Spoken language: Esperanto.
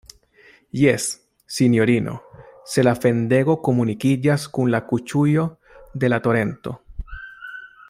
Jes, sinjorino, se la fendego komunikiĝas kun la kuŝujo de la torento.